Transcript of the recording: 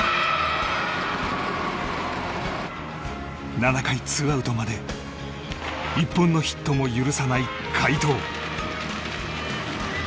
７回２アウトまで１本のヒットも許さない快投。